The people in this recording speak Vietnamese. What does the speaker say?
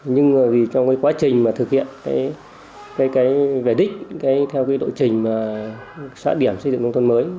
nhưng trong quá trình thực hiện cái vẻ đích theo cái độ trình xã điểm xây dựng nông thôn mới